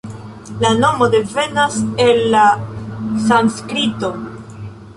La nomo devenas el la sanskrito.